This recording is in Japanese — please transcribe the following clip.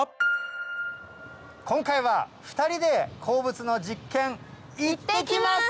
今回は２人で鉱物の実験いってきます！